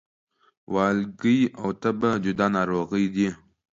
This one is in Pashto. والګی او تبه جدا ناروغي دي